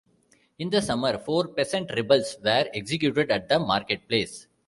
In the summer, four peasant rebels were executed at the marketplace.